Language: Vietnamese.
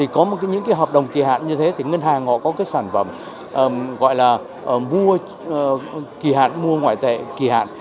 có những hợp đồng kỳ hạn như thế thì ngân hàng họ có sản phẩm gọi là kỳ hạn mua ngoại tệ kỳ hạn